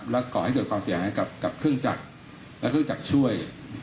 และก่อให้เกิดความเสียหายกับเครื่องจักรและเครื่องจักรช่วย